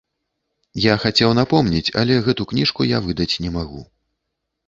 Я хацеў напомніць, але гэту кніжку я выдаць не магу.